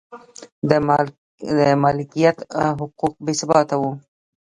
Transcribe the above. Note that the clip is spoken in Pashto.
د مالکیت حقوق بې ثباته و.